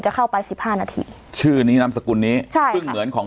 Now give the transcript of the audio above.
เข้าไปสิบห้านาทีชื่อนี้นามสกุลนี้ใช่ซึ่งเหมือนของ